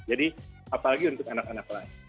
jadi apalagi untuk anak anak lain